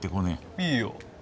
いいよ。